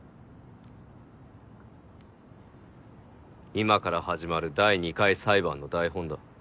今から始まる第二回裁判の台本だ。